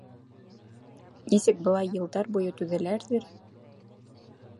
Нисек былай йылдар буйы түҙәләрҙер...